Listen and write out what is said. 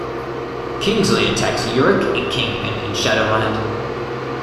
Kingsley attacks Urich and Kingpin in Shadowland.